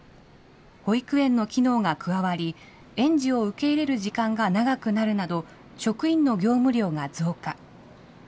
保育園の機能が加わり、園児を受け入れる時間が長くなるなど、職員の業務量が増加。